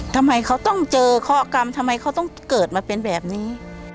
ทำไมเขาต้องเจอข้อกรรมทำไมเขาต้องเกิดมาเป็นแบบนี้